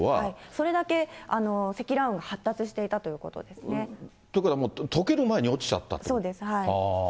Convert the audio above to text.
それだけ積乱雲が発達していたということですね。ということは、もうとける前に落ちちゃったってこと？